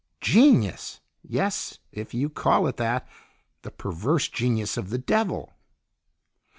"Genius! Yes, if you call it that. The perverse genius of the Devil!"